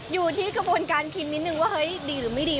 อยู่ที่กระบวนการพิมพ์นิดนึงว่าเฮ้ยดีหรือไม่ดี